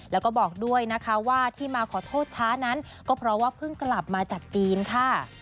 แล้วก็บอกด้วยนะคะว่าที่มาขอโทษช้านั้นก็เพราะว่าเพิ่งกลับมาจากจีนค่ะ